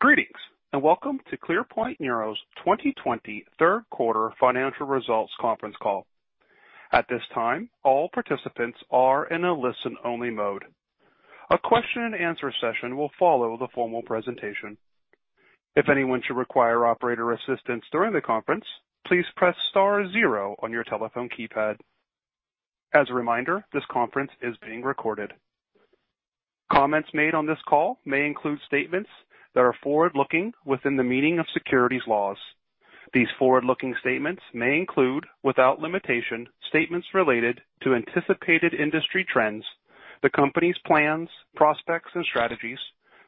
Greetings, and welcome to ClearPoint Neuro's 2020 third quarter financial results conference call. At this time, all participants are in a listen-only mode. A question and answer session will follow the formal presentation. If anyone should require operator assistance during the conference, please press star zero on your telephone keypad. As a reminder, this conference is being recorded. Comments made on this call may include statements that are forward-looking within the meaning of securities laws. These forward-looking statements may include, without limitation, statements related to anticipated industry trends, the company's plans, prospects, and strategies,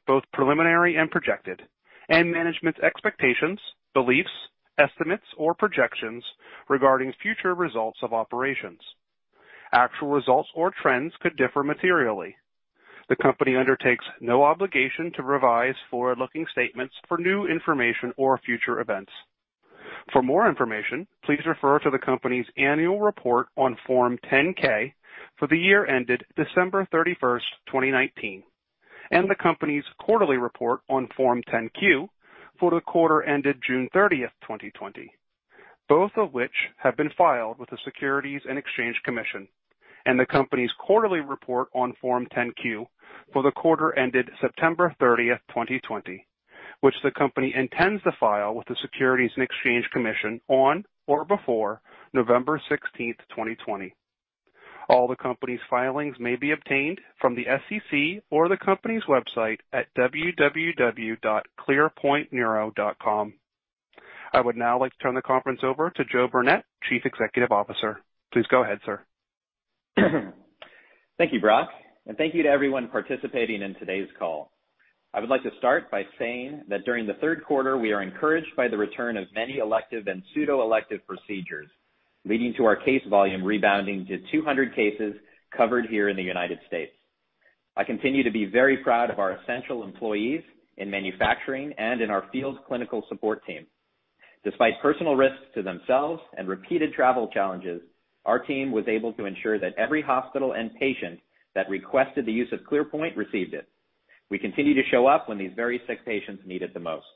both preliminary and projected, and management's expectations, beliefs, estimates, or projections regarding future results of operations. Actual results or trends could differ materially. The company undertakes no obligation to revise forward-looking statements for new information or future events. For more information, please refer to the company's annual report on Form 10-K for the year ended December 31st, 2019, and the company's quarterly report on Form 10-Q for the quarter ended June 30th, 2020, both of which have been filed with the Securities and Exchange Commission, and the company's quarterly report on Form 10-Q for the quarter ended September 30th, 2020, which the company intends to file with the Securities and Exchange Commission on or before November 16th, 2020. All the company's filings may be obtained from the SEC or the company's website at www.clearpointneuro.com. I would now like to turn the conference over to Joe Burnett, Chief Executive Officer. Please go ahead, sir. Thank you, Brock, and thank you to everyone participating in today's call. I would like to start by saying that during the third quarter, we are encouraged by the return of many elective and pseudo-elective procedures, leading to our case volume rebounding to 200 cases covered here in the United States. I continue to be very proud of our essential employees in manufacturing and in our field clinical support team. Despite personal risks to themselves and repeated travel challenges, our team was able to ensure that every hospital and patient that requested the use of ClearPoint received it. We continue to show up when these very sick patients need it the most.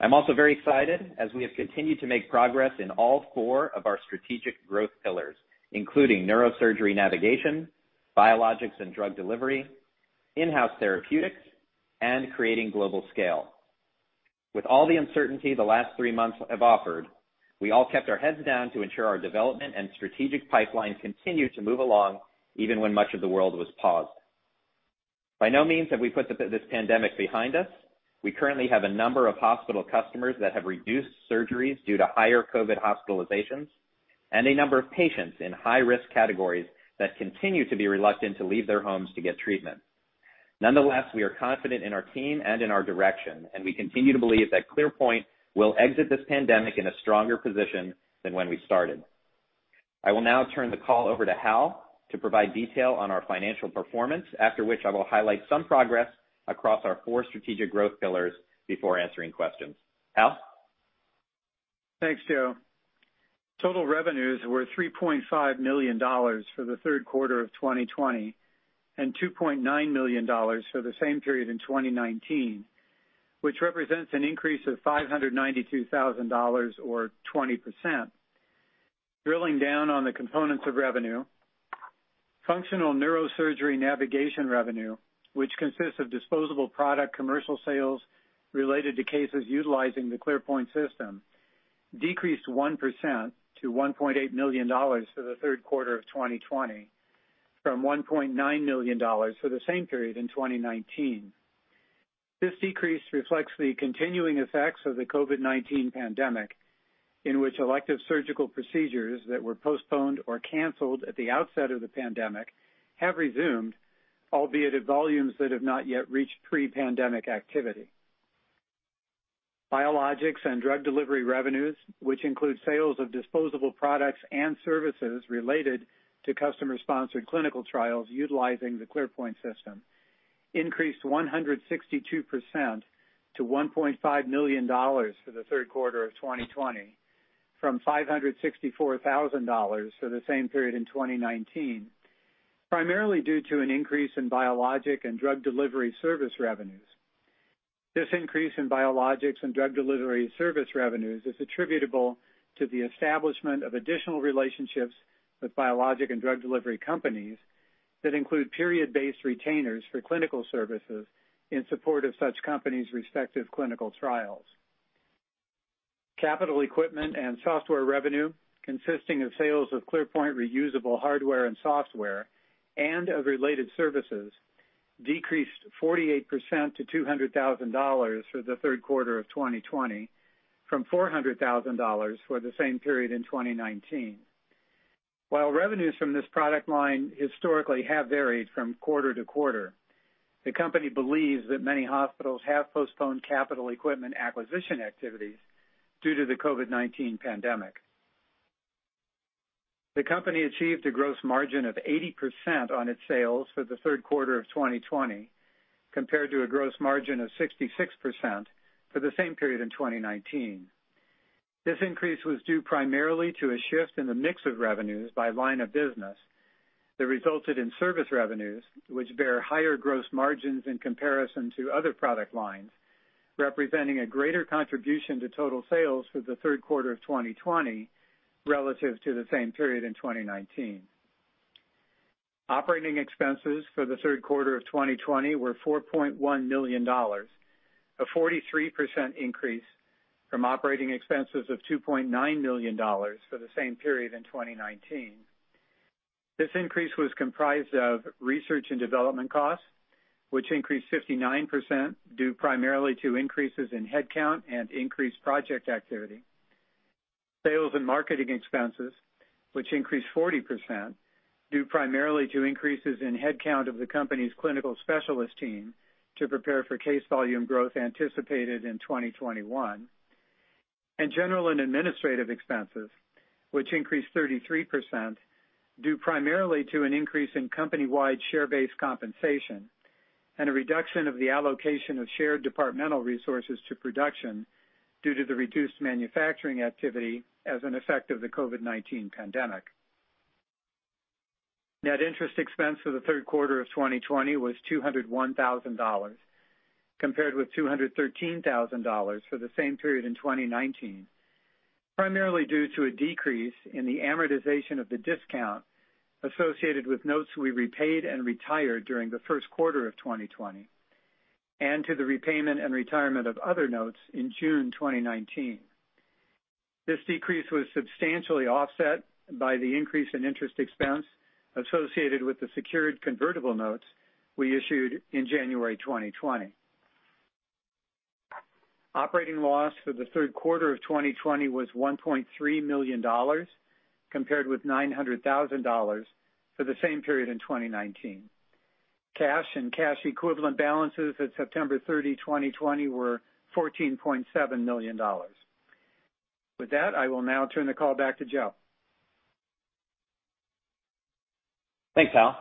I'm also very excited as we have continued to make progress in all four of our strategic growth pillars, including neurosurgery navigation, biologics and drug delivery, in-house therapeutics, and creating global scale. With all the uncertainty the last three months have offered, we all kept our heads down to ensure our development and strategic pipeline continued to move along, even when much of the world was paused. By no means have we put this pandemic behind us. We currently have a number of hospital customers that have reduced surgeries due to higher COVID hospitalizations and a number of patients in high-risk categories that continue to be reluctant to leave their homes to get treatment. Nonetheless, we are confident in our team and in our direction, and we continue to believe that ClearPoint will exit this pandemic in a stronger position than when we started. I will now turn the call over to Hal to provide detail on our financial performance, after which I will highlight some progress across our four strategic growth pillars before answering questions. Hal? Thanks, Joe. Total revenues were $3.5 million for the third quarter of 2020 and $2.9 million for the same period in 2019, which represents an increase of $592,000, or 20%. Drilling down on the components of revenue, functional neurosurgery navigation revenue, which consists of disposable product commercial sales related to cases utilizing the ClearPoint System, decreased 1% to $1.8 million for the third quarter of 2020 from $1.9 million for the same period in 2019. This decrease reflects the continuing effects of the COVID-19 pandemic, in which elective surgical procedures that were postponed or canceled at the outset of the pandemic have resumed, albeit at volumes that have not yet reached pre-pandemic activity. Biologics and drug delivery revenues, which include sales of disposable products and services related to customer-sponsored clinical trials utilizing the ClearPoint System, increased 162% to $1.5 million for the third quarter of 2020 from $564,000 for the same period in 2019, primarily due to an increase in biologic and drug delivery service revenues. This increase in biologics and drug delivery service revenues is attributable to the establishment of additional relationships with biologic and drug delivery companies that include period-based retainers for clinical services in support of such companies' respective clinical trials. Capital equipment and software revenue, consisting of sales of ClearPoint reusable hardware and software and of related services, decreased 48% to $200,000 for the third quarter of 2020 from $400,000 for the same period in 2019. While revenues from this product line historically have varied from quarter to quarter, the company believes that many hospitals have postponed capital equipment acquisition activities due to the COVID-19 pandemic. The company achieved a gross margin of 80% on its sales for the third quarter of 2020, compared to a gross margin of 66% for the same period in 2019. This increase was due primarily to a shift in the mix of revenues by line of business that resulted in service revenues, which bear higher gross margins in comparison to other product lines, representing a greater contribution to total sales for the third quarter of 2020 relative to the same period in 2019. Operating expenses for the third quarter of 2020 were $4.1 million, a 43% increase from operating expenses of $2.9 million for the same period in 2019. This increase was comprised of research and development costs, which increased 59% due primarily to increases in headcount and increased project activity. Sales and marketing expenses, which increased 40%, due primarily to increases in headcount of the company's clinical specialist team to prepare for case volume growth anticipated in 2021, and general and administrative expenses, which increased 33%, due primarily to an increase in company-wide share-based compensation and a reduction of the allocation of shared departmental resources to production due to the reduced manufacturing activity as an effect of the COVID-19 pandemic. Net interest expense for the third quarter of 2020 was $201,000 compared with $213,000 for the same period in 2019, primarily due to a decrease in the amortization of the discount associated with notes we repaid and retired during the first quarter of 2020 and to the repayment and retirement of other notes in June 2019. This decrease was substantially offset by the increase in interest expense associated with the secured convertible notes we issued in January 2020. Operating loss for the third quarter of 2020 was $1.3 million compared with $900,000 for the same period in 2019. Cash and cash equivalent balances at September 30, 2020 were $14.7 million. With that, I will now turn the call back to Joe. Thanks, Hal.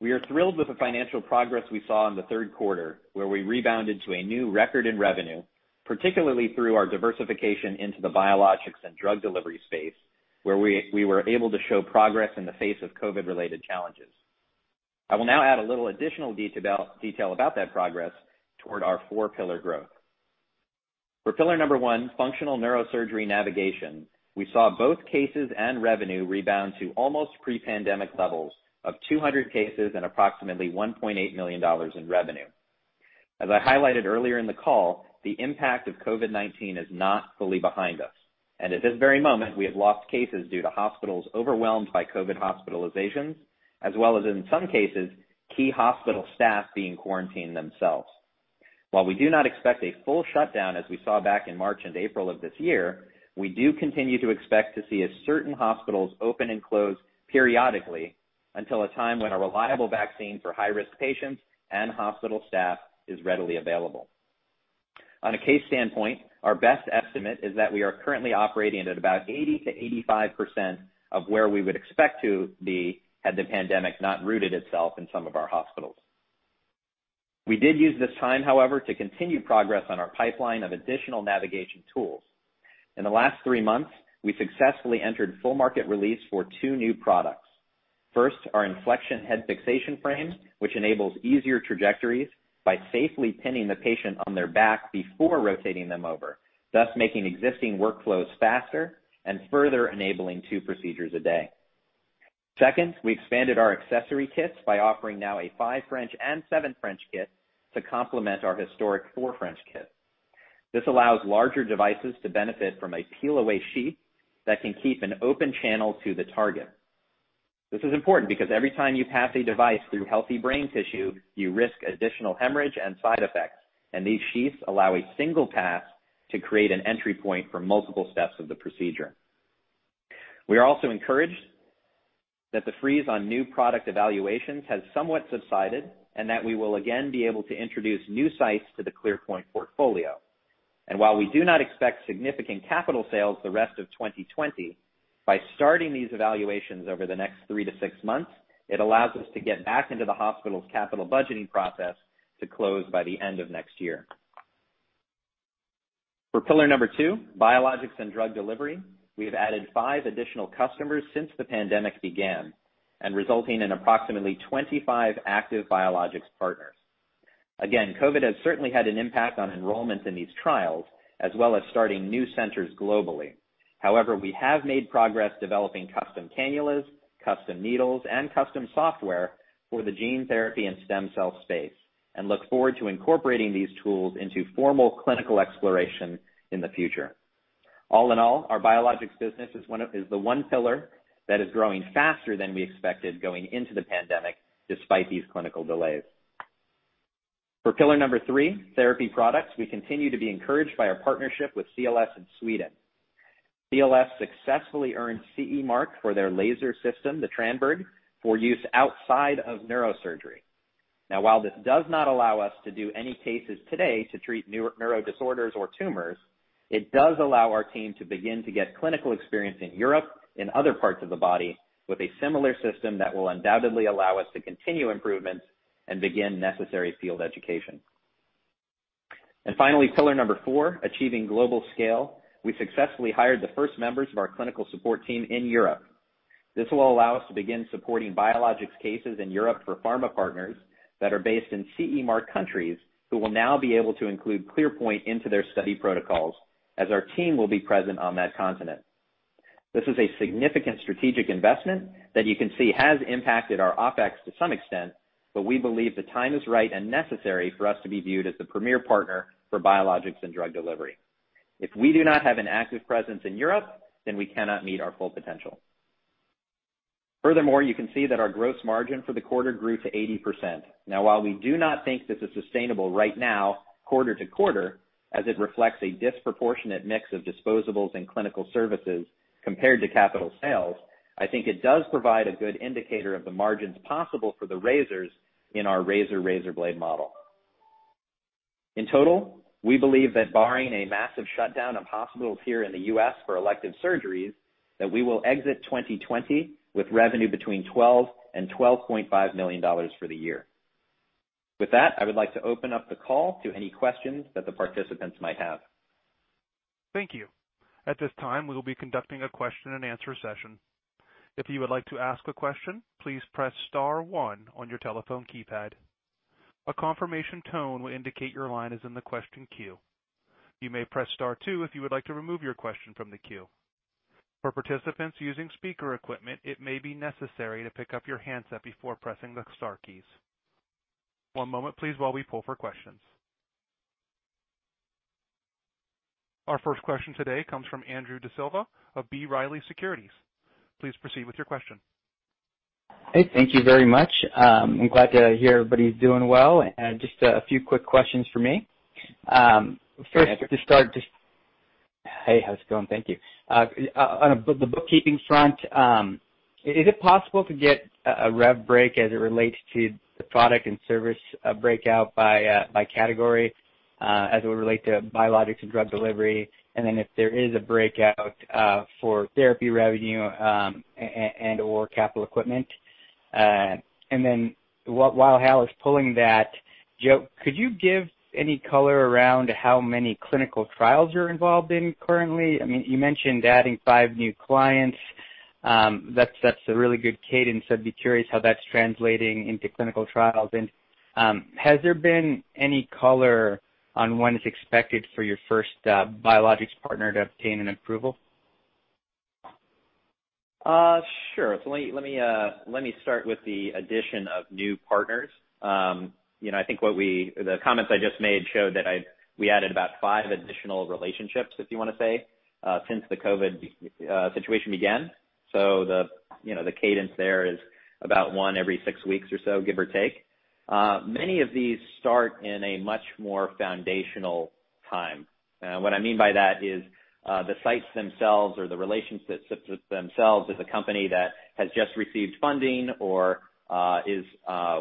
We are thrilled with the financial progress we saw in the third quarter, where we rebounded to a new record in revenue, particularly through our diversification into the biologics and drug delivery space, where we were able to show progress in the face of COVID-related challenges. I will now add a little additional detail about that progress toward our four pillar growth. For pillar number one, functional neurosurgery navigation, we saw both cases and revenue rebound to almost pre-pandemic levels of 200 cases and approximately $1.8 million in revenue. As I highlighted earlier in the call, the impact of COVID-19 is not fully behind us, and at this very moment, we have lost cases due to hospitals overwhelmed by COVID hospitalizations, as well as in some cases, key hospital staff being quarantined themselves. While we do not expect a full shutdown as we saw back in March and April of this year, we do continue to expect to see certain hospitals open and close periodically until a time when a reliable vaccine for high-risk patients and hospital staff is readily available. On a case standpoint, our best estimate is that we are currently operating at about 80%-85% of where we would expect to be had the pandemic not rooted itself in some of our hospitals. We did use this time, however, to continue progress on our pipeline of additional navigation tools. In the last three months, we successfully entered full market release for two new products. First, our Inflexion Head Fixation Frame, which enables easier trajectories by safely pinning the patient on their back before rotating them over, thus making existing workflows faster and further enabling two procedures a day. Second, we expanded our accessory kits by offering now a five French and seven French kit to complement our historic four French kit. This allows larger devices to benefit from a peel-away sheath that can keep an open channel to the target. This is important because every time you pass a device through healthy brain tissue, you risk additional hemorrhage and side effects, and these sheaths allow a single pass to create an entry point for multiple steps of the procedure. We are also encouraged that the freeze on new product evaluations has somewhat subsided and that we will again be able to introduce new sites to the ClearPoint portfolio. While we do not expect significant capital sales the rest of 2020, by starting these evaluations over the next three to six months, it allows us to get back into the hospital's capital budgeting process to close by the end of next year. For pillar number two, biologics and drug delivery, we have added five additional customers since the pandemic began and resulting in approximately 25 active biologics partners. COVID has certainly had an impact on enrollment in these trials, as well as starting new centers globally. However, we have made progress developing custom cannulas, custom needles, and custom software for the gene therapy and stem cell space and look forward to incorporating these tools into formal clinical exploration in the future. All in all, our biologics business is the one pillar that is growing faster than we expected going into the pandemic despite these clinical delays. For pillar three, therapy products, we continue to be encouraged by our partnership with CLS in Sweden. CLS successfully earned CE mark for their laser system, the TRANBERG, for use outside of neurosurgery. While this does not allow us to do any cases today to treat neuro disorders or tumors, it does allow our team to begin to get clinical experience in Europe in other parts of the body with a similar system that will undoubtedly allow us to continue improvements and begin necessary field education. Finally, pillar four, achieving global scale. We successfully hired the first members of our clinical support team in Europe. This will allow us to begin supporting biologics cases in Europe for pharma partners that are based in CE mark countries, who will now be able to include ClearPoint into their study protocols as our team will be present on that continent. This is a significant strategic investment that you can see has impacted our OpEx to some extent, but we believe the time is right and necessary for us to be viewed as the premier partner for biologics and drug delivery. If we do not have an active presence in Europe, then we cannot meet our full potential. Furthermore, you can see that our gross margin for the quarter grew to 80%. Now, while we do not think this is sustainable right now, quarter to quarter, as it reflects a disproportionate mix of disposables and clinical services compared to capital sales, I think it does provide a good indicator of the margins possible for the razors in our razor-razorblade model. In total, we believe that barring a massive shutdown of hospitals here in the U.S. for elective surgeries, that we will exit 2020 with revenue between $12 million and $12.5 million for the year. With that, I would like to open up the call to any questions that the participants might have. Thank you. At this time we will be conducting a question and answer session. If you would like to ask a question please press star one on your telephone keypad. A confirmation tone will indicate that your line is in the question queue. You may press star two if you would like to remove your question from the queue. For participants using speaker equipment it may be necessary to pick up your handset before pressing the star keys. One moment please while we poll for questions. Our first question today comes from Andrew D'Silva of B. Riley Securities. Please proceed with your question. Hey, thank you very much. I'm glad to hear everybody's doing well. Just a few quick questions from me. Yeah. First, to start Hey, how's it going? Thank you. On the bookkeeping front, is it possible to get a rev break as it relates to the product and service breakout by category as it would relate to biologics and drug delivery? If there is a breakout for therapy revenue and/or capital equipment? While Hal is pulling that, Joe, could you give any color around how many clinical trials you're involved in currently? You mentioned adding five new clients. That's a really good cadence. I'd be curious how that's translating into clinical trials. Has there been any color on when it's expected for your first biologics partner to obtain an approval? Sure. Let me start with the addition of new partners. I think the comments I just made showed that we added about five additional relationships, if you want to say, since the COVID situation began. The cadence there is about one every six weeks or so, give or take. Many of these start in a much more foundational time. What I mean by that is the sites themselves or the relationships themselves is a company that has just received funding or is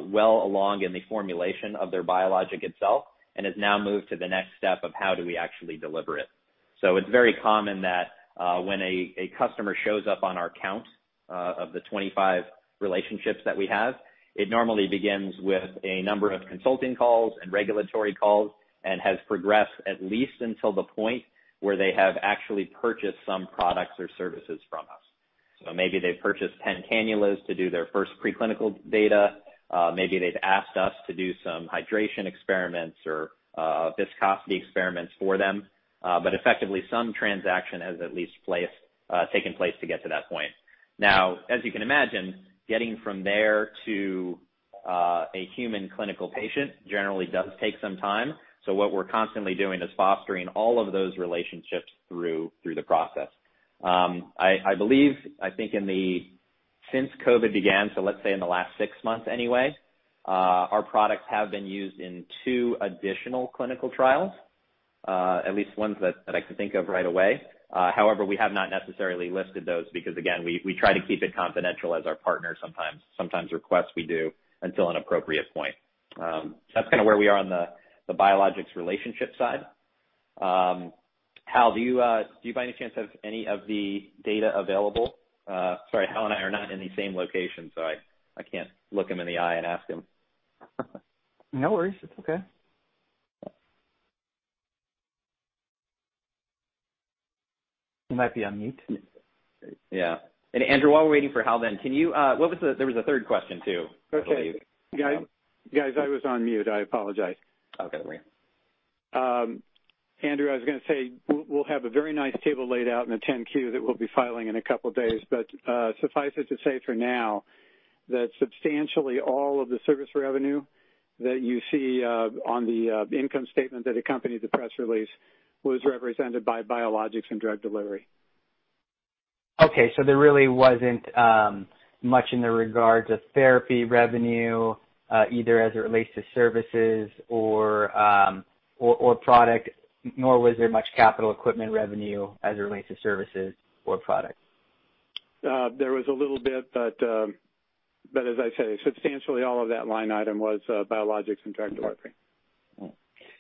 well along in the formulation of their biologic itself and has now moved to the next step of how do we actually deliver it. It's very common that when a customer shows up on our count of the 25 relationships that we have, it normally begins with a number of consulting calls and regulatory calls and has progressed at least until the point where they have actually purchased some products or services from us. Maybe they've purchased 10 cannulas to do their first pre-clinical data. Maybe they've asked us to do some hydration experiments or viscosity experiments for them. Effectively, some transaction has at least taken place to get to that point. Now, as you can imagine, getting from there to a human clinical patient generally does take some time. What we're constantly doing is fostering all of those relationships through the process. I believe, I think since COVID began, so let's say in the last six months anyway, our products have been used in two additional clinical trials, at least ones that I can think of right away. We have not necessarily listed those because, again, we try to keep it confidential as our partners sometimes request we do until an appropriate point. That's kind of where we are on the biologics relationship side. Hal, do you by any chance have any of the data available? Sorry, Hal and I are not in the same location, so I can't look him in the eye and ask him. No worries. It's okay. You might be on mute. Andrew, while we're waiting for Hal then, there was a third question, too. Okay. Guys, I was on mute. I apologize. Okay. No worries. Andrew, I was going to say, we'll have a very nice table laid out in the 10-Q that we'll be filing in a couple of days. Suffice it to say for now that substantially all of the service revenue that you see on the income statement that accompanied the press release was represented by biologics and drug delivery. Okay, there really wasn't much in the regards of therapy revenue either as it relates to services or product, nor was there much capital equipment revenue as it relates to services or products. There was a little bit, but as I say, substantially all of that line item was biologics and drug delivery.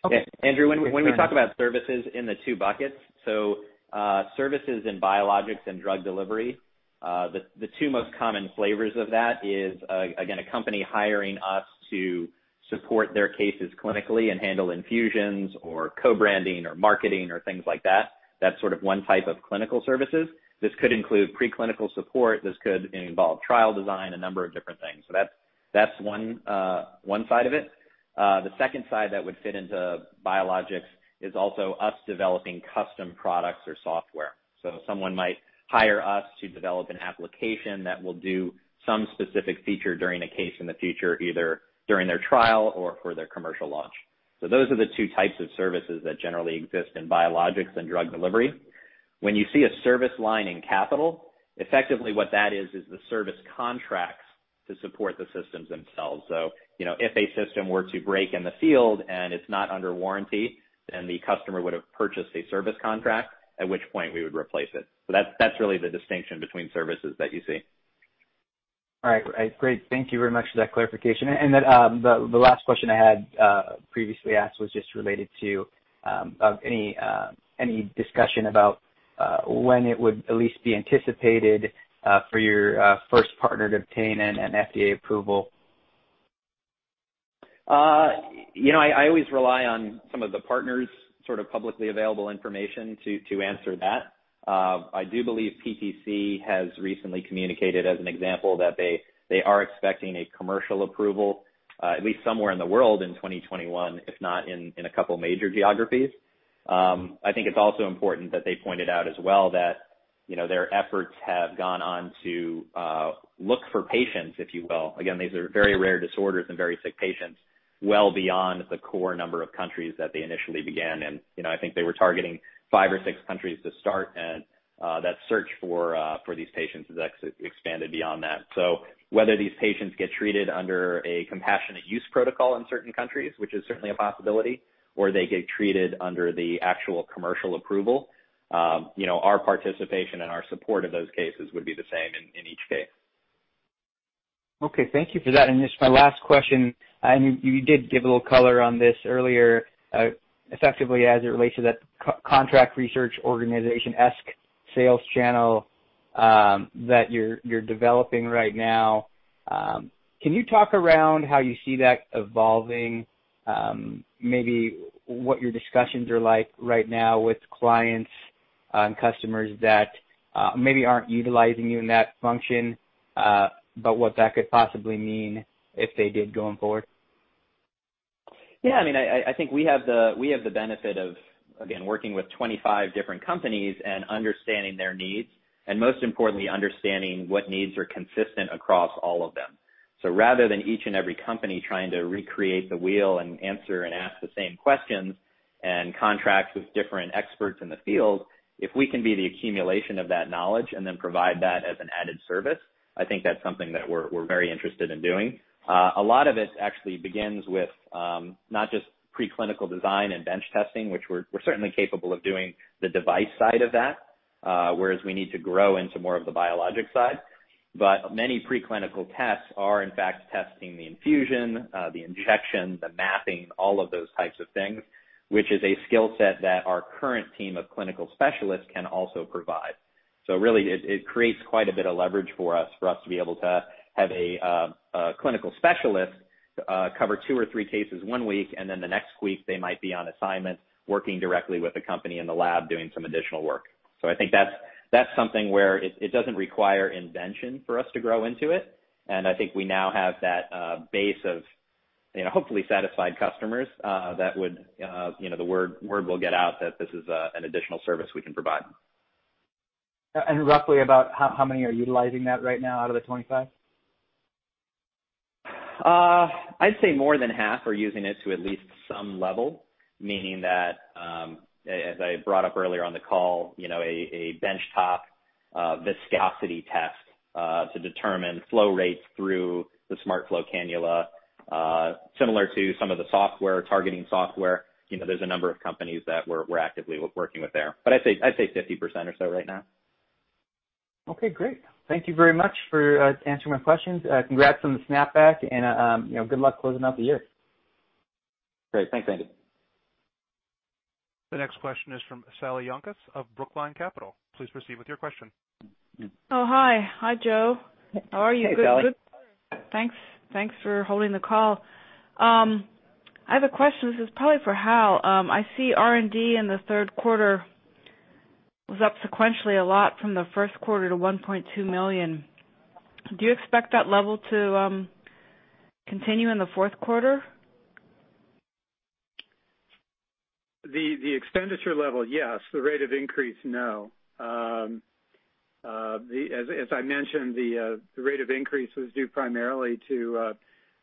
Okay. Andrew, when we talk about services in the two buckets, services in biologics and drug delivery. The two most common flavors of that is, again, a company hiring us to support their cases clinically and handle infusions or co-branding or marketing or things like that. That's one type of clinical services. This could include preclinical support. This could involve trial design, a number of different things. That's one side of it. The second side that would fit into biologics is also us developing custom products or software. Someone might hire us to develop an application that will do some specific feature during a case in the future, either during their trial or for their commercial launch. Those are the two types of services that generally exist in biologics and drug delivery. When you see a service line in capital, effectively what that is the service contracts to support the systems themselves. If a system were to break in the field and it's not under warranty, then the customer would've purchased a service contract, at which point we would replace it. That's really the distinction between services that you see. All right. Great. Thank you very much for that clarification. Then, the last question I had previously asked was just related to any discussion about when it would at least be anticipated for your first partner to obtain an FDA approval. I always rely on some of the partners' publicly available information to answer that. I do believe PTC has recently communicated, as an example, that they are expecting a commercial approval, at least somewhere in the world in 2021, if not in a couple of major geographies. I think it's also important that they pointed out as well that their efforts have gone on to look for patients, if you will. Again, these are very rare disorders and very sick patients well beyond the core number of countries that they initially began in. I think they were targeting five or six countries to start, and that search for these patients has expanded beyond that. Whether these patients get treated under a compassionate use protocol in certain countries, which is certainly a possibility, or they get treated under the actual commercial approval, our participation and our support of those cases would be the same in each case. Okay. Thank you for that. Just my last question, and you did give a little color on this earlier, effectively as it relates to that contract research organization-esque sales channel that you're developing right now. Can you talk around how you see that evolving? Maybe what your discussions are like right now with clients and customers that maybe aren't utilizing you in that function, but what that could possibly mean if they did going forward? Yeah. I think we have the benefit of, again, working with 25 different companies and understanding their needs, and most importantly, understanding what needs are consistent across all of them. Rather than each and every company trying to recreate the wheel and answer and ask the same questions and contract with different experts in the field, if we can be the accumulation of that knowledge and then provide that as an added service, I think that's something that we're very interested in doing. A lot of it actually begins with not just preclinical design and bench testing, which we're certainly capable of doing the device side of that, whereas we need to grow into more of the biologic side. Many preclinical tests are in fact testing the infusion, the injection, the mapping, all of those types of things, which is a skill set that our current team of clinical specialists can also provide. Really, it creates quite a bit of leverage for us to be able to have a clinical specialist cover two or three cases one week, and then the next week they might be on assignment working directly with a company in the lab doing some additional work. I think that's something where it doesn't require invention for us to grow into it. I think we now have that base of hopefully satisfied customers, that the word will get out that this is an additional service we can provide. Roughly, about how many are utilizing that right now out of the 25? I'd say more than half are using it to at least some level, meaning that, as I brought up earlier on the call, a bench-top viscosity test to determine flow rates through the SmartFlow cannula, similar to some of the targeting software. There's a number of companies that we're actively working with there. I'd say 50% or so right now. Okay, great. Thank you very much for answering my questions. Congrats on the snap back and good luck closing out the year. Great. Thanks, Andrew. The next question is from Sally Yanchus of Brookline Capital. Please proceed with your question. Oh, hi. Hi, Joe. How are you? Hey, Sally. Good. Thanks for holding the call. I have a question. This is probably for Hal. I see R&D in the third quarter was up sequentially a lot from the first quarter to $1.2 million. Do you expect that level to continue in the fourth quarter? The expenditure level, yes. The rate of increase, no. As I mentioned, the rate of increase was due primarily to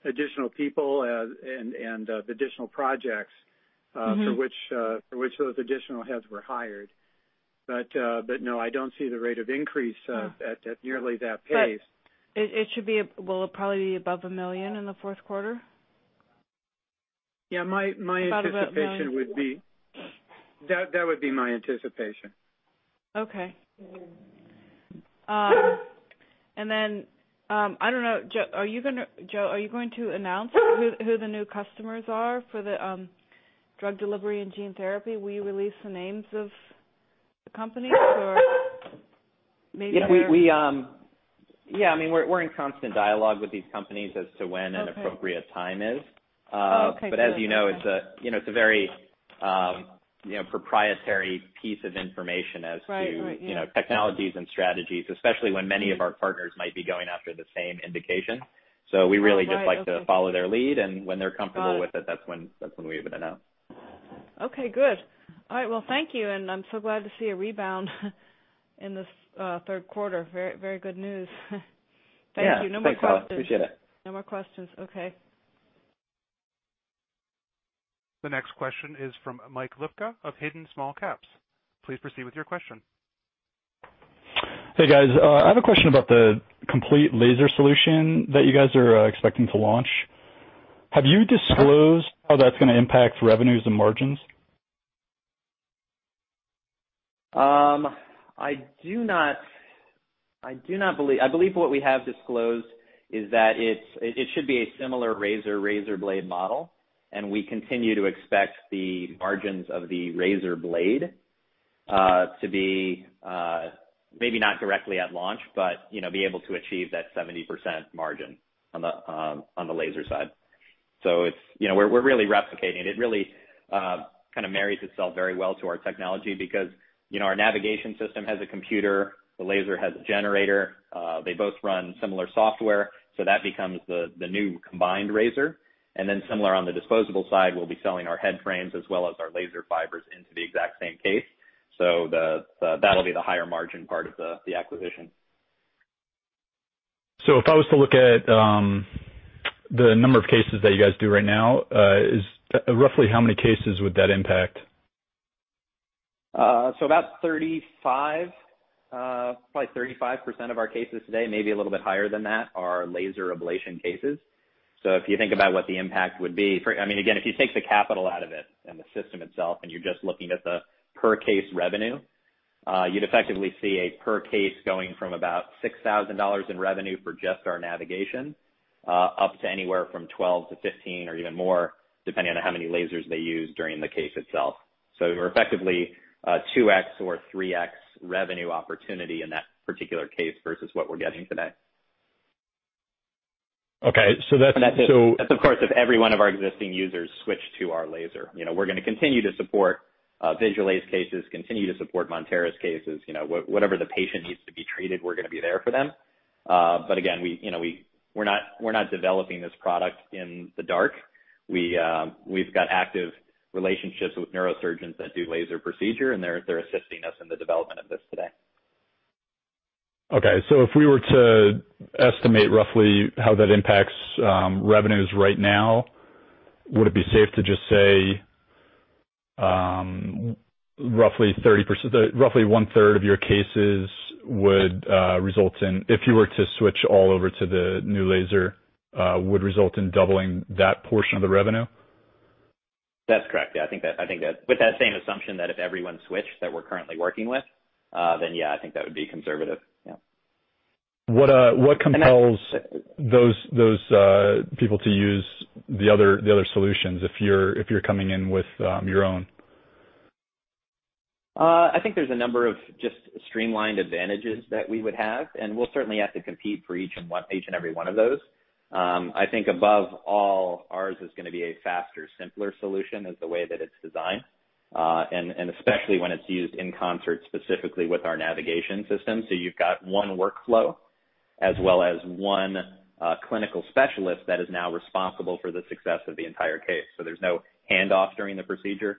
additional people and the additional projects for which those additional heads were hired. No, I don't see the rate of increase at nearly that pace. Will it probably be above $1 million in the fourth quarter? Yeah, my anticipation would be-that would be my anticipation. Okay. I don't know, Joe, are you going to announce who the new customers are for the drug delivery and gene therapy? Will you release the names of the companies? Yeah, we're in constant dialogue with these companies as to when- Okay. An appropriate time is. Oh, okay. As you know, it's a very proprietary piece of information. Right. Technologies and strategies, especially when many of our partners might be going after the same indication. Oh, right. Okay. Just like to follow their lead, and when they're comfortable with it, that's when we would announce. Okay, good. All right. Well, thank you, and I'm so glad to see a rebound in this third quarter. Very good news. Thank you. Yeah. Thanks, Sally. No more questions. Appreciate it. No more questions. Okay. The next question is from [Mike Lipka] of Hayden Small Caps. Please proceed with your question. Hey, guys. I have a question about the complete laser solution that you guys are expecting to launch. Have you disclosed how that's going to impact revenues and margins? I believe what we have disclosed is that it should be a similar razor-razor blade model, and we continue to expect the margins of the razor blade to be, maybe not directly at launch, but be able to achieve that 70% margin on the laser side. We're really replicating it. It really kind of marries itself very well to our technology because our navigation system has a computer, the laser has a generator. They both run similar software. That becomes the new combined razor. Similar on the disposable side, we'll be selling our head frames as well as our laser fibers into the exact same case. That'll be the higher margin part of the acquisition. If I was to look at the number of cases that you guys do right now, roughly how many cases would that impact? About 35, probably 35% of our cases today, maybe a little bit higher than that, are laser ablation cases. If you think about what the impact would be again, if you take the capital out of it and the system itself, and you're just looking at the per-case revenue, you'd effectively see a per case going from about $6,000 in revenue for just our navigation, up to anywhere from 12-15 or even more, depending on how many lasers they use during the case itself. You're effectively 2x or 3x revenue opportunity in that particular case versus what we're getting today. Okay. That's, of course, if every one of our existing users switched to our laser. We're going to continue to support Visualase's cases, continue to support Monteris' cases. Whatever the patient needs to be treated, we're going to be there for them. Again, we're not developing this product in the dark. We've got active relationships with neurosurgeons that do laser procedure, and they're assisting us in the development of this today. If we were to estimate roughly how that impacts revenues right now, would it be safe to just say roughly 1/3 of your cases, if you were to switch all over to the new laser, would result in doubling that portion of the revenue? That's correct. Yeah, with that same assumption that if everyone switched that we're currently working with, then yeah, I think that would be conservative. Yeah. What compels those people to use the other solutions if you're coming in with your own? I think there's a number of just streamlined advantages that we would have, and we'll certainly have to compete for each and every one of those. I think above all, ours is going to be a faster, simpler solution is the way that it's designed. Especially when it's used in concert specifically with our navigation system. You've got one workflow as well as one clinical specialist that is now responsible for the success of the entire case. There's no handoff during the procedure.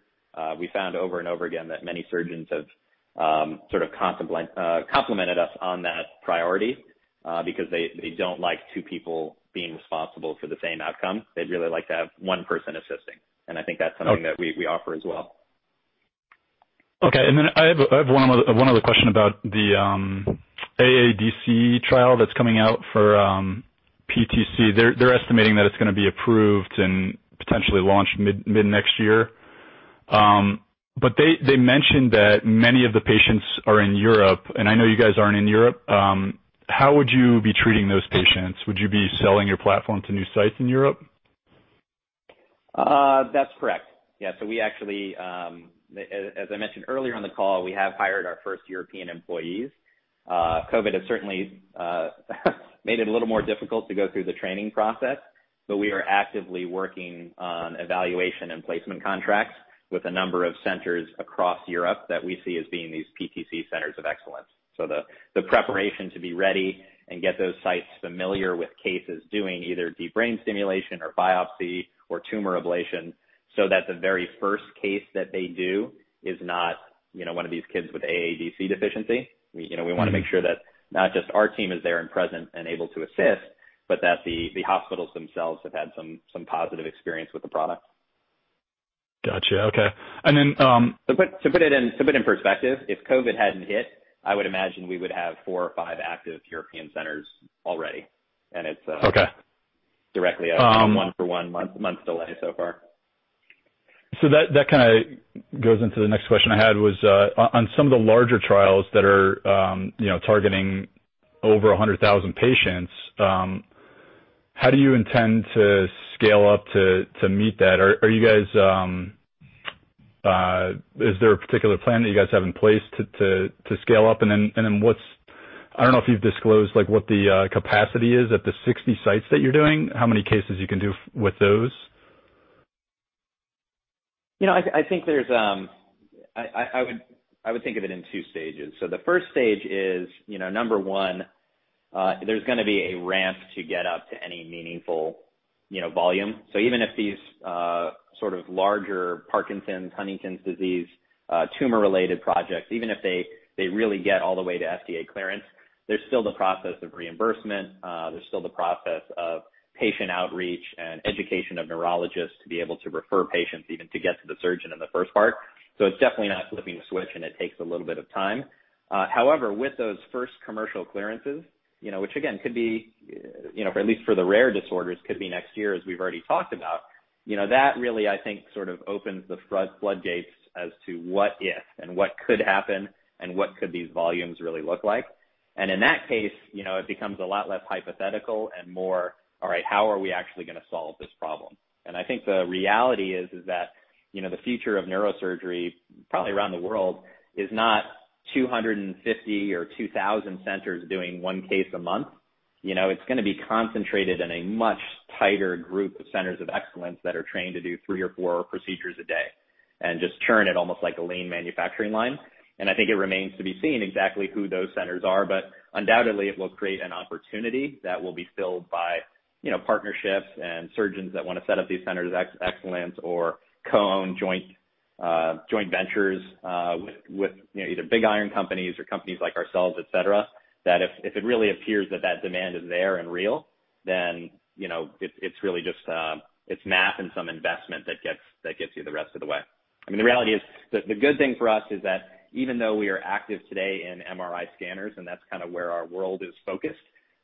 We found over and over again that many surgeons have sort of complimented us on that priority, because they don't like two people being responsible for the same outcome. They'd really like to have one person assisting, and I think that's something that we offer as well. Okay. I have one other question about the AADC trial that's coming out for PTC. They're estimating that it's going to be approved and potentially launched mid-next year. They mentioned that many of the patients are in Europe, and I know you guys aren't in Europe. How would you be treating those patients? Would you be selling your platform to new sites in Europe? That's correct. Yeah. We actually, as I mentioned earlier on the call, we have hired our first European employees. COVID has certainly made it a little more difficult to go through the training process, but we are actively working on evaluation and placement contracts with a number of centers across Europe that we see as being these PTC centers of excellence. The preparation to be ready and get those sites familiar with cases doing either deep brain stimulation or biopsy or tumor ablation, so that the very first case that they do is not one of these kids with AADC deficiency. We want to make sure that not just our team is there and present and able to assist, but that the hospitals themselves have had some positive experience with the product. Got you. Okay. To put it in perspective, if COVID hadn't hit, I would imagine we would have four or five active European centers already. Okay. It's directly a one-for-one month delay so far. That kind of goes into the next question I had, was on some of the larger trials that are targeting over 100,000 patients, how do you intend to scale up to meet that? Is there a particular plan that you guys have in place to scale up? I don't know if you've disclosed what the capacity is at the 60 sites that you're doing, how many cases you can do with those? I would think of it in two stages. The first stage is, number one, there's going to be a ramp to get up to any meaningful volume. Even if these sort of larger Parkinson's, Huntington's disease, tumor-related projects, even if they really get all the way to FDA clearance, there's still the process of reimbursement. There's still the process of patient outreach and education of neurologists to be able to refer patients even to get to the surgeon in the first part. It's definitely not flipping a switch, and it takes a little bit of time. However, with those first commercial clearances, which again, could be, at least for the rare disorders, could be next year, as we've already talked about. That really, I think, sort of opens the floodgates as to what if and what could happen and what could these volumes really look like. In that case, it becomes a lot less hypothetical and more, all right, how are we actually going to solve this problem? I think the reality is that, the future of neurosurgery, probably around the world, is not 250 or 2,000 centers doing one case a month. It's going to be concentrated in a much tighter group of centers of excellence that are trained to do three or four procedures a day and just churn it almost like a lean manufacturing line. I think it remains to be seen exactly who those centers are. Undoubtedly, it will create an opportunity that will be filled by partnerships and surgeons that want to set up these centers of excellence or co-own joint ventures, with either big iron companies or companies like ourselves, et cetera, that if it really appears that demand is there and real, then it's math and some investment that gets you the rest of the way. I mean, the reality is, the good thing for us is that even though we are active today in MRI scanners, and that's kind of where our world is focused,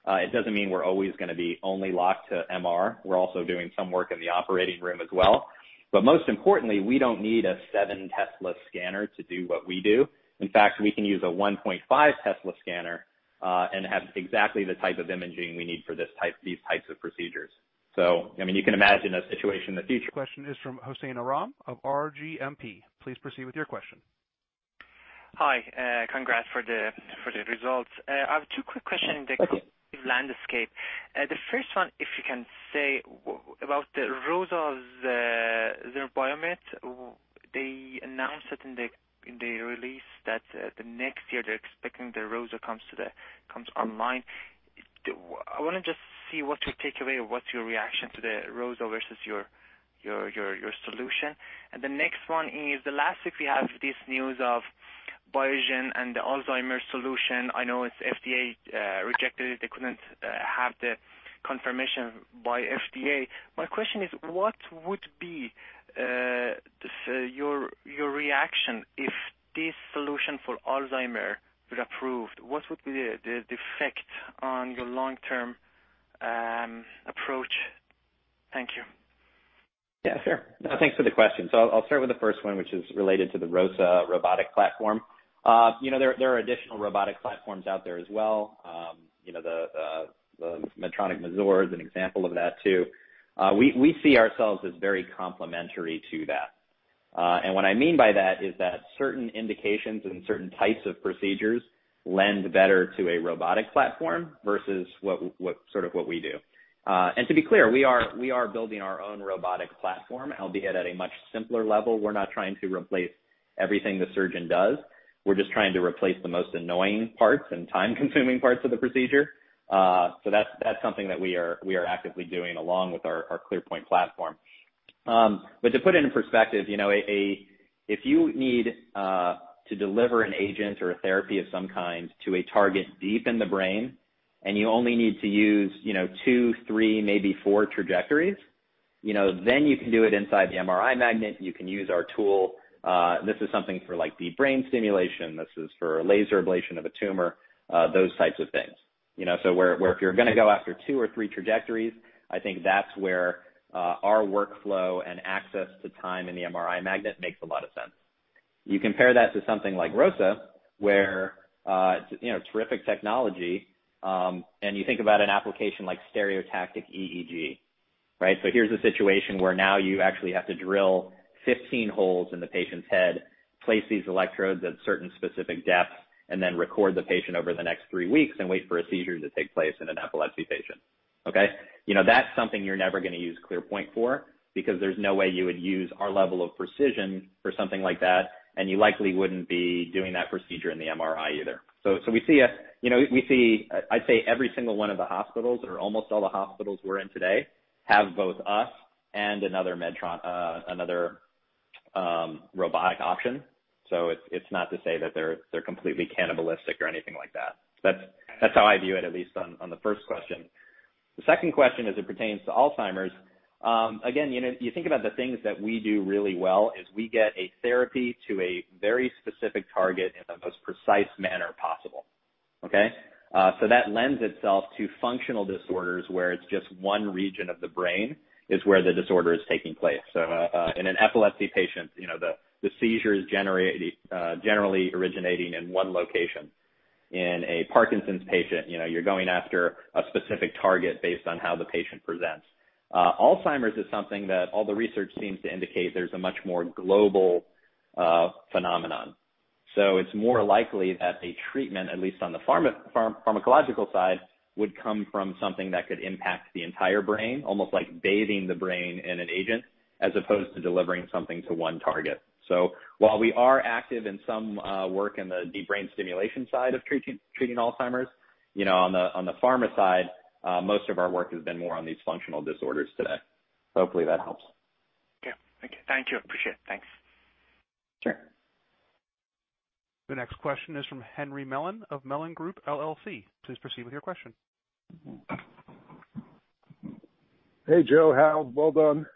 it doesn't mean we're always going to be only locked to MR. We're also doing some work in the operating room as well. Most importantly, we don't need a seven Tesla scanner to do what we do. In fact, we can use a 1.5 Tesla scanner, and have exactly the type of imaging we need for these types of procedures. You can imagine a situation in the future. Question is from Hossein Aram of RGMP. Please proceed with your question. Hi. Congrats for the results. I have two quick questions in the-competitive landscape. The first one, if you can say about the ROSA's Zimmer Biomet. They announced it in the release that the next year they're expecting the ROSA comes online. I want to just see what's your takeaway or what's your reaction to the ROSA versus your solution. The next one is, the last week we have this news of Biogen and the Alzheimer's solution. I know it's FDA rejected it. They couldn't have the confirmation by FDA. My question is, what would be your reaction if this solution for Alzheimer's was approved? What would be the effect on your long-term approach? Thank you. Yeah, sure. No, thanks for the question. I'll start with the first one, which is related to the ROSA robotic platform. There are additional robotic platforms out there as well. The Medtronic Mazor is an example of that too. We see ourselves as very complementary to that. What I mean by that is that certain indications and certain types of procedures lend better to a robotic platform versus sort of what we do. To be clear, we are building our own robotic platform, albeit at a much simpler level. We're not trying to replace everything the surgeon does. We're just trying to replace the most annoying parts and time-consuming parts of the procedure. That's something that we are actively doing along with our ClearPoint platform. To put it in perspective, if you need to deliver an agent or a therapy of some kind to a target deep in the brain, and you only need to use two, three, maybe four trajectories, then you can do it inside the MRI magnet. You can use our tool. This is something for deep brain stimulation. This is for laser ablation of a tumor, those types of things. Where if you're going to go after two or three trajectories, I think that's where our workflow and access to time in the MRI magnet makes a lot of sense. You compare that to something like ROSA, where it's terrific technology, and you think about an application like stereotactic EEG, right? Here's a situation where now you actually have to drill 15 holes in the patient's head, place these electrodes at certain specific depths, and then record the patient over the next three weeks and wait for a seizure to take place in an epilepsy patient. Okay? That's something you're never going to use ClearPoint for, because there's no way you would use our level of precision for something like that, and you likely wouldn't be doing that procedure in the MRI either. We see, I'd say every single one of the hospitals or almost all the hospitals we're in today have both us and another robotic option. It's not to say that they're completely cannibalistic or anything like that. That's how I view it, at least on the first question. The second question as it pertains to Alzheimer's, again, you think about the things that we do really well is we get a therapy to a very specific target in the most precise manner possible. Okay. That lends itself to functional disorders where it's just one region of the brain is where the disorder is taking place. In an epilepsy patient, the seizure is generally originating in one location. In a Parkinson's patient, you're going after a specific target based on how the patient presents. Alzheimer's is something that all the research seems to indicate there's a much more global phenomenon. It's more likely that a treatment, at least on the pharmacological side, would come from something that could impact the entire brain, almost like bathing the brain in an agent, as opposed to delivering something to one target. While we are active in some work in the deep brain stimulation side of treating Alzheimer's, on the pharma side, most of our work has been more on these functional disorders today. Hopefully that helps. Yeah. Okay. Thank you. Appreciate it. Thanks. Sure. The next question is from Henry Mellon of Mellon Group LLC. Please proceed with your question. Hey, Joe. Hal. Well done.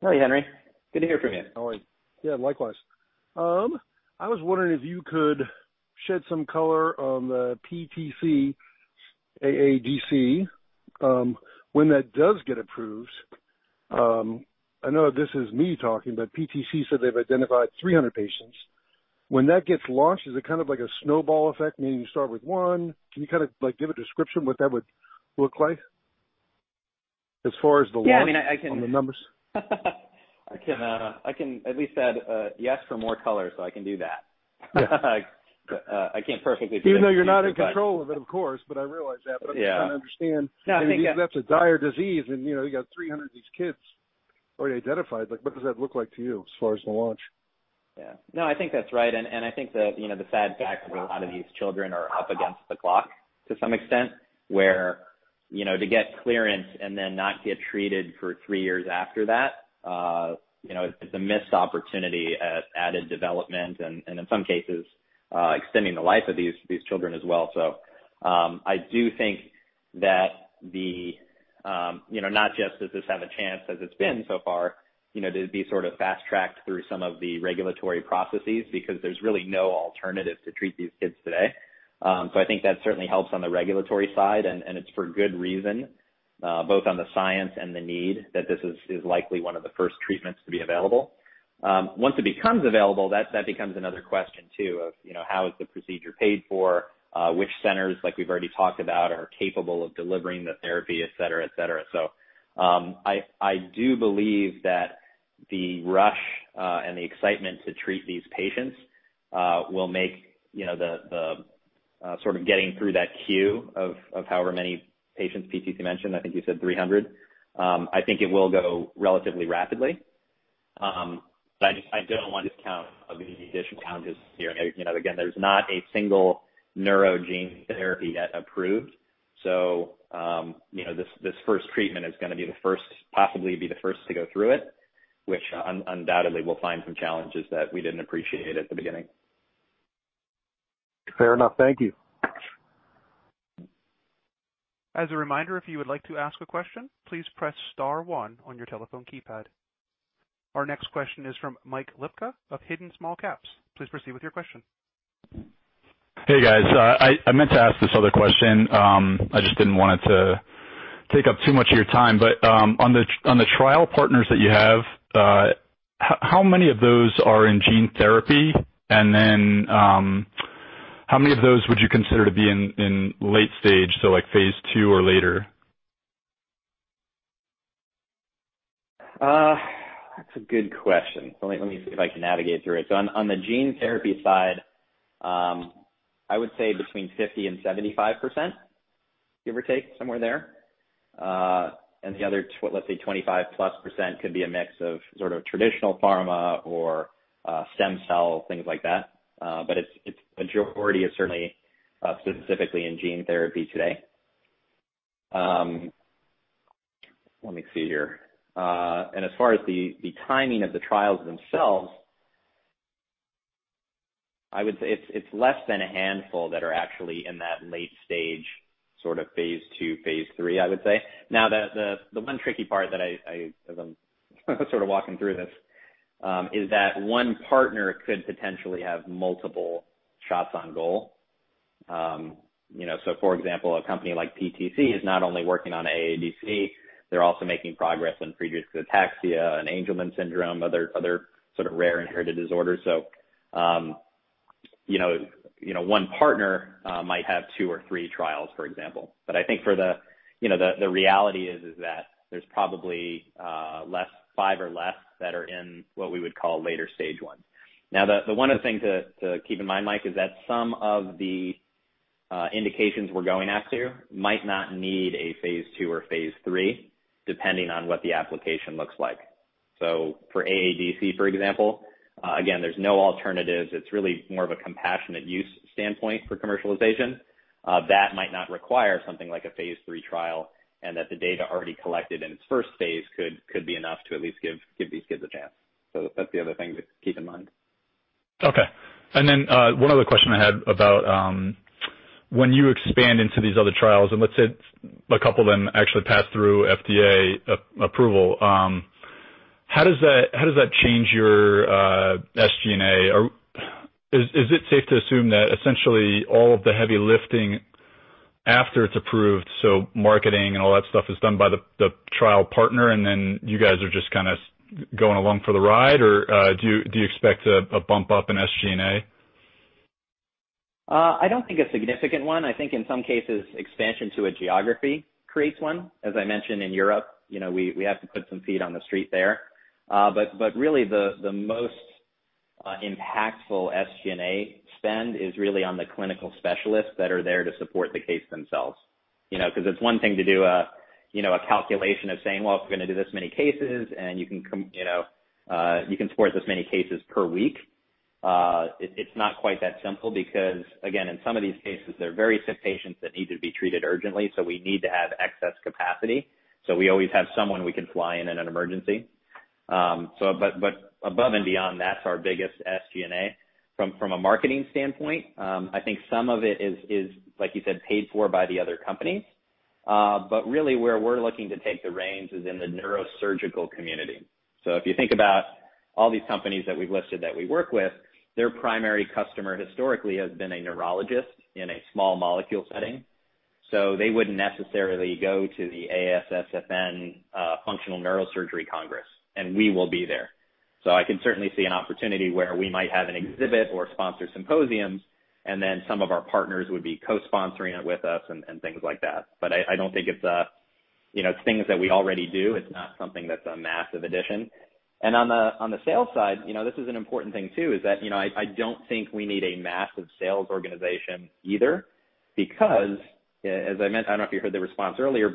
Hi, Henry. Good to hear from you. How are you? Yeah, likewise. I was wondering if you could shed some color on the PTC AADC, when that does get approved. I know this is me talking, but PTC said they've identified 300 patients. When that gets launched, is it kind of like a snowball effect, meaning you start with one? Can you give a description of what that would look like as far as the launch? Yeah, I can- On the numbers. I can at least add yes for more color, so I can do that. Yeah. I can't perfectly do the future. Even though you're not in control of it, of course, but I realize that. Yeah. But I'm trying to understand- No, I think, yeah. Because that's a dire disease, and you got 300 of these kids already identified. What does that look like to you as far as the launch? Yeah. No, I think that's right, and I think the sad fact is a lot of these children are up against the clock to some extent, where to get clearance and then not get treated for three years after that, it's a missed opportunity at added development and, in some cases, extending the life of these children as well. I do think that not just does this have a chance as it's been so far, to be sort of fast-tracked through some of the regulatory processes because there's really no alternative to treat these kids today. I think that certainly helps on the regulatory side and it's for good reason, both on the science and the need that this is likely one of the first treatments to be available. Once it becomes available, that becomes another question, too, of how is the procedure paid for, which centers, like we've already talked about, are capable of delivering the therapy, et cetera. I do believe that the rush and the excitement to treat these patients will make the sort of getting through that queue of however many patients PTC mentioned, I think you said 300. I think it will go relatively rapidly. I don't want to discount the additional challenges here. Again, there's not a single neuro gene therapy yet approved. This first treatment is possibly going to be the first to go through it, which undoubtedly will find some challenges that we didn't appreciate at the beginning. Fair enough. Thank you. As a reminder, if you would like to ask a question, please press star one on your telephone keypad. Our next question is from [Mike Lipka] of Hayden Small Caps. Please proceed with your question. Hey, guys. I meant to ask this other question. I just didn't want it to take up too much of your time. On the trial partners that you have, how many of those are in gene therapy? How many of those would you consider to be in late stage, so like phase II or later? That's a good question. Let me see if I can navigate through it. On the gene therapy side, I would say between 50% and 75%, give or take, somewhere there. The other, let's say, 25-plus percent could be a mix of sort of traditional pharma or stem cell, things like that. Its majority is certainly specifically in gene therapy today. Let me see here. As far as the timing of the trials themselves, I would say it's less than a handful that are actually in that late stage, sort of phase II, phase III, I would say. Now, the one tricky part as I'm sort of walking through this is that one partner could potentially have multiple shots on goal. For example, a company like PTC is not only working on AADC, they're also making progress on Friedreich's ataxia and Angelman syndrome, other sort of rare inherited disorders. One partner might have two or three trials, for example. I think the reality is that there's probably five or less that are in what we would call later stage one. Now, the one other thing to keep in mind, Mike, is that some of the indications we're going after might not need a phase II or phase III, depending on what the application looks like. For AADC, for example, again, there's no alternatives. It's really more of a compassionate use standpoint for commercialization. That might not require something like a phase III trial, and that the data already collected in its first phase could be enough to at least give these kids a chance. That's the other thing to keep in mind. Okay. One other question I had about when you expand into these other trials, and let's say a couple of them actually pass through FDA approval. How does that change your SG&A? Is it safe to assume that essentially all of the heavy lifting after it's approved, so marketing and all that stuff is done by the trial partner, and then you guys are just kind of going along for the ride, or do you expect a bump up in SG&A? I don't think a significant one. I think in some cases, expansion to a geography creates one. As I mentioned, in Europe, we have to put some feet on the street there. Really, the most impactful SG&A spend is really on the clinical specialists that are there to support the case themselves. It's one thing to do a calculation of saying, "Well, if we're going to do this many cases, and you can support this many cases per week." It's not quite that simple, because again, in some of these cases, they're very sick patients that need to be treated urgently, so we need to have excess capacity. We always have someone we can fly in in an emergency. Above and beyond that's our biggest SG&A. From a marketing standpoint, I think some of it is, like you said, paid for by the other companies. Really, where we're looking to take the reins is in the neurosurgical community. If you think about all these companies that we've listed that we work with, their primary customer historically has been a neurologist in a small molecule setting. They wouldn't necessarily go to the ASSFN Functional Neurosurgery Congress, and we will be there. I can certainly see an opportunity where we might have an exhibit or sponsor symposiums, and then some of our partners would be co-sponsoring it with us and things like that. I don't think it's things that we already do. It's not something that's a massive addition. On the sales side, this is an important thing too, is that I don't think we need a massive sales organization either, because as I mentioned, I don't know if you heard the response earlier,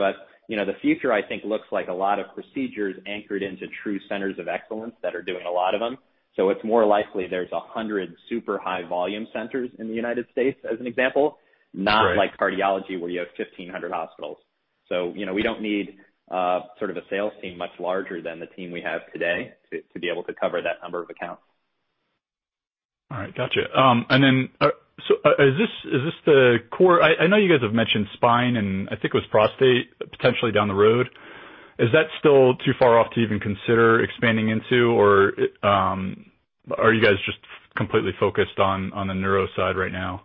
the future, I think, looks like a lot of procedures anchored into true centers of excellence that are doing a lot of them. It's more likely there's 100 super high volume centers in the United States, as an example, not like cardiology, where you have 1,500 hospitals. We don't need sort of a sales team much larger than the team we have today to be able to cover that number of accounts. All right. Got you. I know you guys have mentioned spine, and I think it was prostate potentially down the road. Is that still too far off to even consider expanding into, or are you guys just completely focused on the neuro side right now?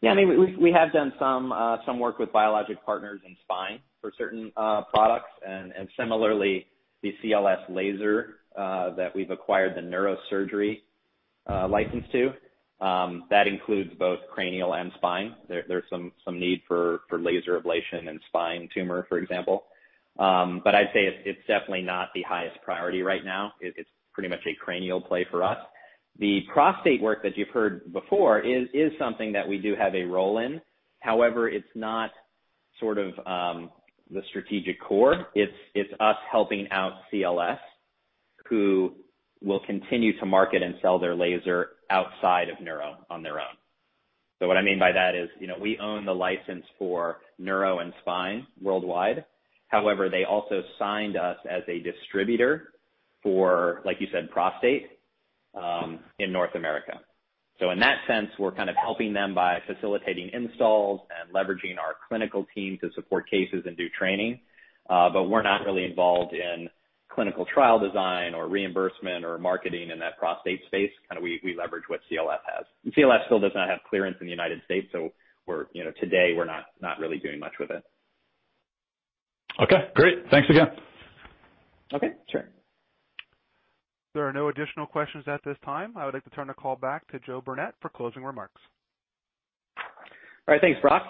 We have done some work with biologic partners in spine for certain products. Similarly, the CLS laser that we've acquired the neurosurgery license to. That includes both cranial and spine. There's some need for laser ablation in spine tumor, for example. I'd say it's definitely not the highest priority right now. It's pretty much a cranial play for us. The prostate work that you've heard before is something that we do have a role in. It's not sort of the strategic core. It's us helping out CLS, who will continue to market and sell their laser outside of neuro on their own. What I mean by that is, we own the license for neuro and spine worldwide. They also signed us as a distributor for, like you said, prostate in North America. In that sense, we're kind of helping them by facilitating installs and leveraging our clinical team to support cases and do training. We're not really involved in clinical trial design or reimbursement or marketing in that prostate space. We leverage what CLS has. CLS still does not have clearance in the U.S., today, we're not really doing much with it. Okay, great. Thanks again. Okay, sure. There are no additional questions at this time. I would like to turn the call back to Joe Burnett for closing remarks. All right. Thanks, Brock.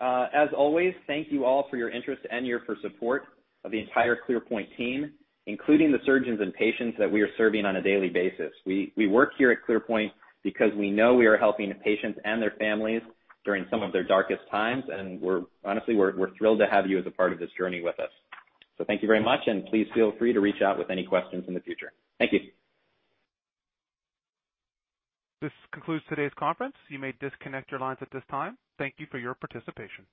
As always, thank you all for your interest and for your support of the entire ClearPoint team, including the surgeons and patients that we are serving on a daily basis. We work here at ClearPoint because we know we are helping patients and their families during some of their darkest times, and honestly, we're thrilled to have you as a part of this journey with us. Thank you very much, and please feel free to reach out with any questions in the future. Thank you. This concludes today's conference. You may disconnect your lines at this time. Thank you for your participation.